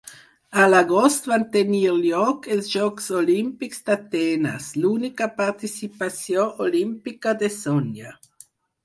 A l'agost van tenir lloc els Jocs Olímpics d'Atenes, l'única participació olímpica de Sonia.